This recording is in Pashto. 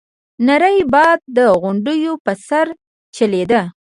نری باد د غونډيو په سر چلېده.